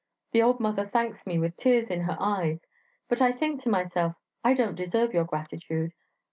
The old mother thanks me with tears in her eyes; but I think to myself, 'I don't deserve your gratitude.'